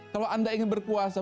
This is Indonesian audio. kalau anda ingin berkuasa